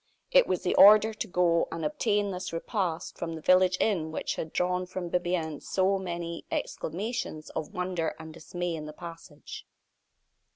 It was the order to go and obtain this repast from the village inn which had drawn from Bibiaine so many exclamations of wonder and dismay in the passage.